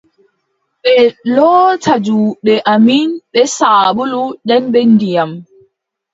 Ɓe loota juuɗe amin bee saabulu, nden be ndiyam!